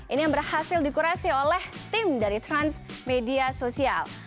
ini yang berhasil dikurasi oleh tim dari transmedia sosial